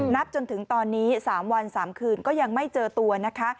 จนถึงตอนนี้๓วัน๓คืนก็ยังไม่เจอตัวนะคะ